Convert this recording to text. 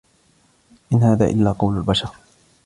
إن هذا إلا قول البشر